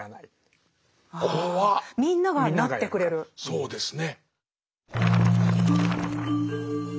そうですね。